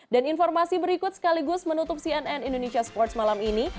dan informasi berikut sekaligus menutup cnn indonesia sports malam ini